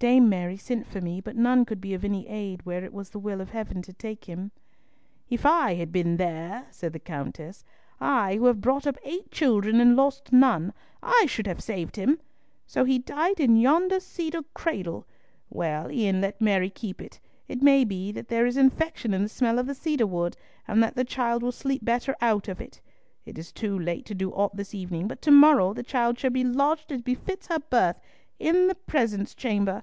Dame Mary sent for me, but none could be of any aid where it was the will of Heaven to take him." "If I had been there," said the Countess, "I who have brought up eight children and lost none, I should have saved him! So he died in yonder cedar cradle! Well, e'en let Mary keep it. It may be that there is infection in the smell of the cedar wood, and that the child will sleep better out of it. It is too late to do aught this evening, but to morrow the child shall be lodged as befits her birth, in the presence chamber."